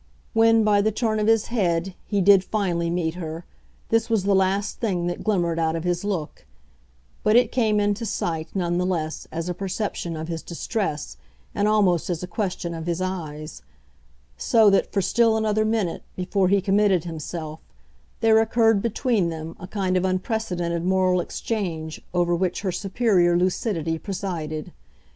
When, by the turn of his head, he did finally meet her, this was the last thing that glimmered out of his look; but it came into sight, none the less, as a perception of his distress and almost as a question of his eyes; so that, for still another minute, before he committed himself, there occurred between them a kind of unprecedented moral exchange over which her superior lucidity presided.